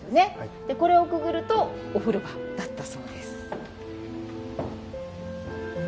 これをくぐるとお風呂場だったそうです。